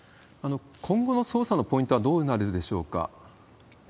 今後の捜査のポイントはどうなるでしょうか？